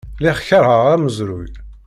Lliɣ keṛheɣ amezruy.